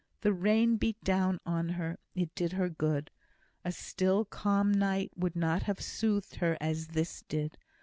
The rain beat down on her. It did her good. A still, calm night would not have soothed her as this did.